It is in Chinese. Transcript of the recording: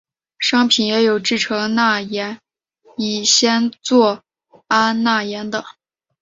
商品也有制成钠盐乙酰唑胺钠盐的。